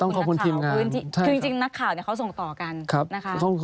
ต้องขอบคุณทีมงานคือจริงจริงนักข่าวเนี้ยเขาส่งต่อกันครับนะครับ